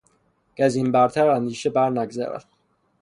کزین برتر اندیشه بر نگذرد